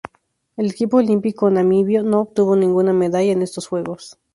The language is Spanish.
El equipo olímpico namibio no obtuvo ninguna medalla en estos Juegos.